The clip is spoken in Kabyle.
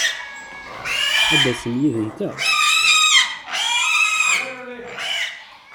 Ad d-tasem yid-nteɣ!